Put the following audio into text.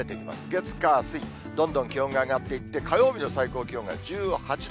月、火、水、どんどん気温が上がっていって、火曜日の最高気温が１８度。